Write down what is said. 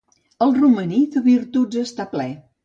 El romaní, de virtuts està ple.